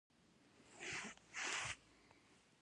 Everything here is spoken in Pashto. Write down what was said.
موږ یوازې د حالت مطابق چل کوو.